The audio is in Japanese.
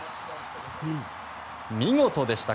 見事でしたね。